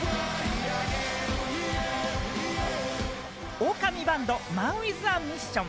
オオカミバンド、ＭＡＮＷＩＴＨＡＭＩＳＳＩＯＮ。